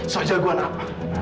so jagoan apa